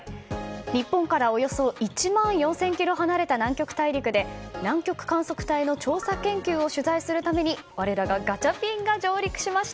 日本からおよそ１万４０００ｋｍ離れた南極大陸で南極観測隊の調査・研究を取材するために我らがガチャピンが上陸しました。